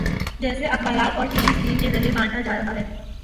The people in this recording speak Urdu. جسے اخبارات اور ٹی وی سکرین کے ذریعے بانٹا جا رہا ہے۔